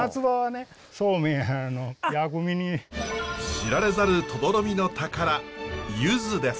知られざる止々呂美の宝ゆずです。